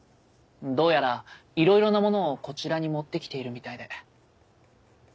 どうやらいろいろな物をこちらに持ってきているみたいで。